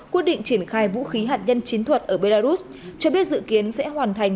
quyết định triển khai vũ khí hạt nhân chiến thuật ở belarus cho biết dự kiến sẽ hoàn thành